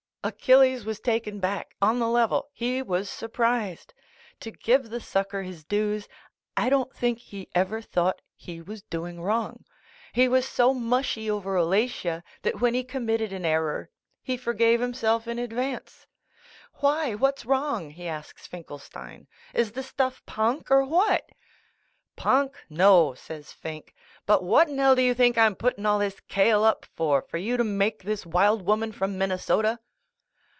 Achilles was taken back. On the level, he was surprised ! To give the sucker his dues, I don't think he ever thought he was doing wrong. He was so mushy over Alatia that when he committed an error, he forgave himself in advance. "Why, what's wrong?" he asks I'lnkel stein. "Is the stuiT punk, or what?" "Punk, no," says "Finke," 'but whatinell do you think I'm putting all this kale up for, for you to make this wild woman from Minnesota?"